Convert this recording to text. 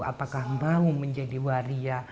apakah mau menjadi waria